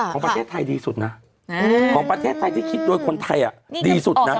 ของประเทศไทยดีสุดนะของประเทศไทยที่คิดโดยคนไทยดีสุดนะ